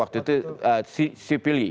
waktu itu si pili